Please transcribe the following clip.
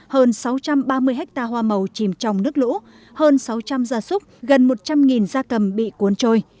hơn sáu trăm ba mươi ha hoa màu chìm trong nước lũ hơn sáu trăm linh gia súc gần một trăm linh gia cầm bị cuốn trôi